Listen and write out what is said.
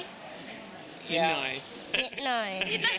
นิดหน่อย